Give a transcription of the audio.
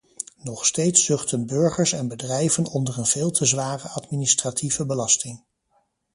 Nog steeds zuchten burgers en bedrijven onder een veel te zware administratieve belasting.